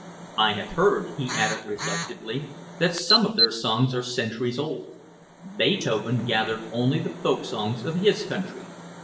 I have heard," he added reflectively, "that some of their songs are centuries old. Beethoven gathered only the folk songs of his country.